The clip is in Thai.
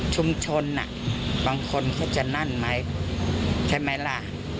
ชุมชนบางคนเขาจะนั่นไหมใช่ไหมล่ะ